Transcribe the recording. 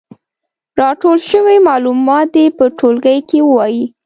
راټول شوي معلومات دې په ټولګي کې ووايي.